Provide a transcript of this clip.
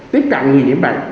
tiếp cận người nhiễm bệnh